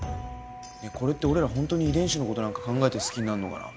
これって俺らホントに遺伝子の事なんか考えて好きになんのかな？